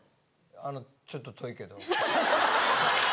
あのちょっと遠いけど。